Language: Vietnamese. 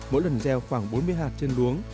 mỗi lần gieo khoảng bốn mươi hạt trên luống